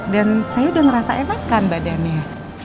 dan saya udah ngerasa enakan badannya